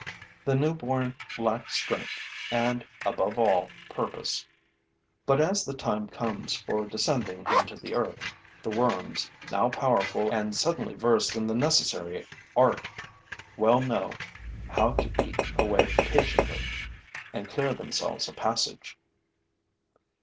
The newborn lack strength and, above all, purpose. But, as the time comes for descending into the earth, the worms, now powerful and suddenly versed in the necessary art, well know how to eat away patiently and clear themselves a passage.